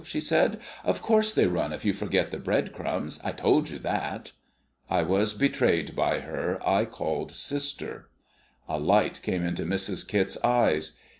she said. "Of course they run if you forget the bread crumbs. I told you that!" I was betrayed by her I called sister! A light came into Mrs. Kit's eyes.